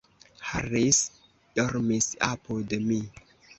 Harris dormis apud mi.